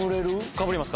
かぶります。